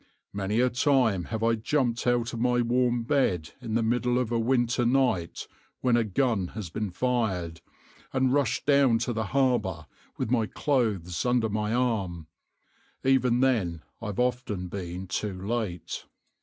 Many a time have I jumped out of my warm bed in the middle of a winter night when a gun has fired, and rushed down to the harbour with my clothes under my arm; even then I've often been too late."